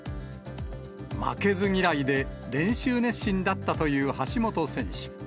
負けず嫌いで、練習熱心だったという橋本選手。